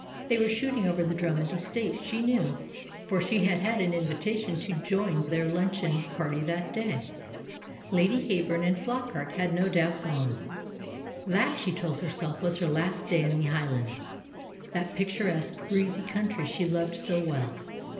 They were shooting over the Drummond estate, she knew, for she had had an invitation to join their luncheon party that day. Lady Heyburn and Flockart had no doubt gone. That, she told herself, was her last day in the Highlands, that picturesque, breezy country she loved so well.